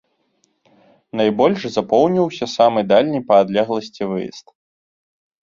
Найбольш запоўніўся самы дальні па адлегласці выезд.